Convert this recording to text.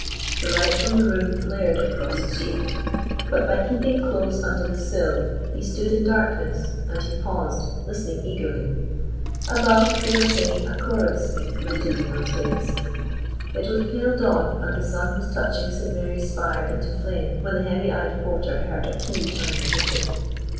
The light from the room flared across the street; but by keeping close under the sill he stood in darkness, and he paused, listening eagerly. Above, they were singing a chorus, noted in those days It was pale dawn, and the sun was touching St. Mary's spire into flame when the heavy eyed porter heard a key turn in the wicket.